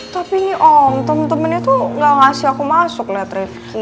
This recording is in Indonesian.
tapi nih om temen temennya tuh gak ngasih aku masuk liat rifki